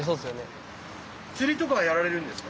釣りとかはやられるんですか？